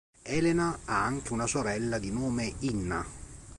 Elena ha anche una sorella di nome Inna.